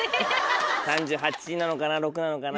３８なのかな３６なのかな。